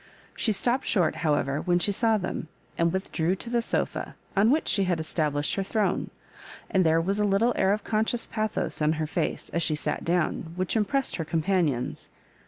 She stopped short, however, when she saw them, and with drew to the sofa, on which she had established her throne ; and there was a little air of conscious pathos on her face as she sat down, which im pressed her companions.